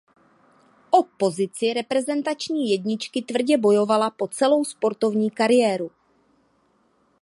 O pozici reprezentační jedničky tvrdě bojovala po celou sportovní kariéru.